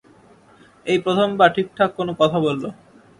এই প্রথমবার ঠিকঠাক কোনো কথা বলল!